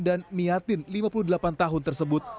dan miatin lima puluh delapan tahun tersebut